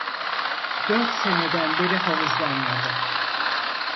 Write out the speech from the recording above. Dört seneden beri havuzlanmadı…